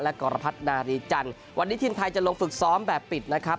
กรพัฒนารีจันทร์วันนี้ทีมไทยจะลงฝึกซ้อมแบบปิดนะครับ